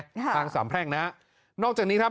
ทางสามแพร่งนะฮะนอกจากนี้ครับ